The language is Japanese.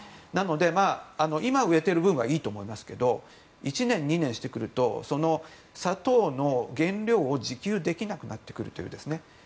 なので、今植えている分はいいと思いますけど１年、２年してくるとその砂糖の原料を自給できなくなってくるという。